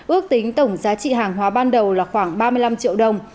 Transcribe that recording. ước tính tổng giá trị hàng hóa ban đầu là khoảng ba mươi năm triệu đồng